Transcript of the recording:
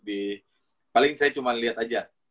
di paling saya cuma lihat aja